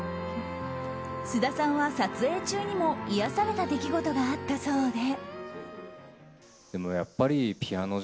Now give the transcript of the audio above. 菅田さんは撮影中にも癒やされた出来事があったそうで。